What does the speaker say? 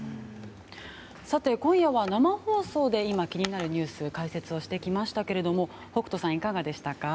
さて、今夜は生放送で今、気になるニュースを解説をしてきましたけれども北斗さん、いかがでしたか？